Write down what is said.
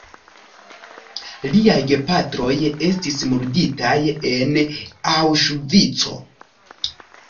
Liaj gepatroj estis murditaj en Aŭŝvico.